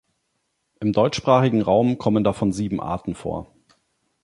Im deutschsprachigen Raum kommen davon sieben Arten vor.